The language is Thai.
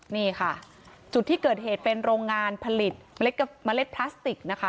นี่ค่ะจุดที่เกิดเหตุเป็นโรงงานผลิตเมล็ดพลาสติกนะคะ